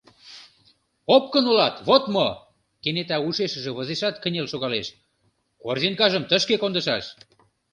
Опкын улат, вот мо! — кенета ушешыже возешат, кынел шогалеш: — Корзинкажым тышке кондышаш.